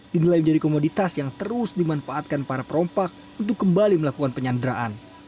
dinilai menjadi komoditas yang terus dimanfaatkan para perompak untuk kembali melakukan penyanderaan